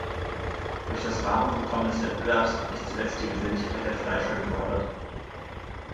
Durch das Rahmenprogramm des Wettbewerbs wird nicht zuletzt die Geselligkeit der Fleischer gefördert.